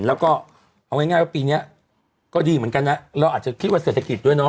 แล้วก็เอาง่ายว่าปีนี้ก็ดีเหมือนกันนะเราอาจจะคิดว่าเศรษฐกิจด้วยเนาะ